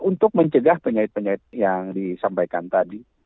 untuk mencegah penyakit penyakit yang disampaikan tadi